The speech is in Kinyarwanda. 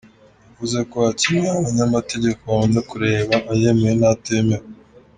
Yavuze ko hakenewe abanyamategeko babanza kureba ayemewe n’atemewe.